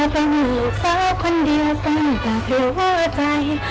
เป็นอีกสาวคนเดียวต้องกับหรือว่าใจ